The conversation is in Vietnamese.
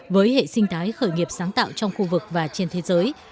với hệ sinh thái khởi nghiệp sáng tạo trong khu vực và trên thế giới